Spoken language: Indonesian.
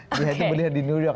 berlian itu berlian di new york